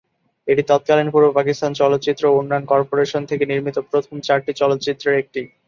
এটি তৎকালীন পূর্ব পাকিস্তান চলচ্চিত্র উন্নয়ন কর্পোরেশন থেকে নির্মিত প্রথম চারটি চলচ্চিত্রের একটি।